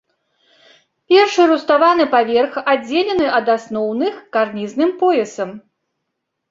Першы руставаны паверх аддзелены ад асноўных карнізным поясам.